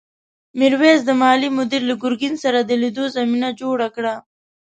میرويس د مالیې مدیر له ګرګین سره د لیدو زمینه جوړه کړه.